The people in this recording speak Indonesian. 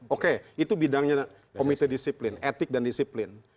oke itu bidangnya komite disiplin etik dan disiplin